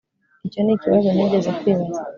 Icyo nikibazo nigeze kwibaza